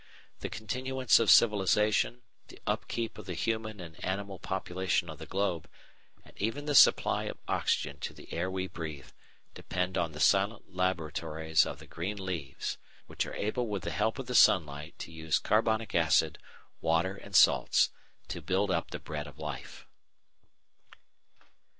The continuance of civilisation, the upkeep of the human and animal population of the globe, and even the supply of oxygen to the air we breathe, depend on the silent laboratories of the green leaves, which are able with the help of the sunlight to use carbonic acid, water, and salts to build up the bread of life.